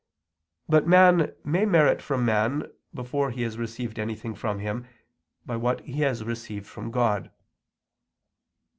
But man may merit from man, before he has received anything from him, by what he has received from God.